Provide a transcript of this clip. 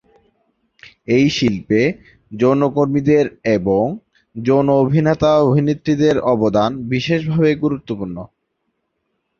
এই শিল্পে যৌনকর্মীদের এবং যৌন অভিনেতা-অভিনেত্রীদের অবদান বিশেষভাবে গুরুত্বপূর্ণ।